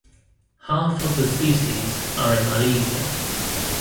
Half of the species are in Malesia.